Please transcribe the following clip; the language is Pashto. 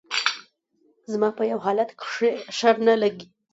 زما په يو حالت کښې شر نه لګي